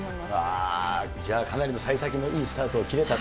わー、じゃあ、かなりのさい先のいいスタートを切れたと？